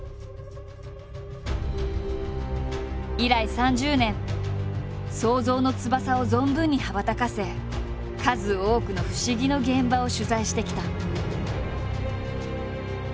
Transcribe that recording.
以来３０年想像の翼を存分に羽ばたかせ数多くの不思議の現場を取材してきた。